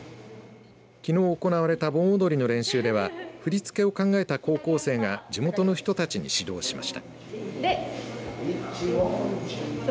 きのう行われた盆踊りの練習では振り付けを考えた高校生が地元の人たちに指導しました。